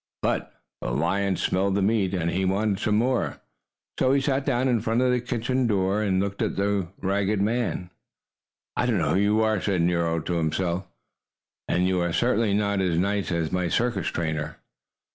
But the lion smelled the meat and he wanted some more; so he sat down in front of the kitchen door and looked at the ragged man. "I don't know who you are," said Nero to himself, "and you are certainly not as nice as my circus trainer.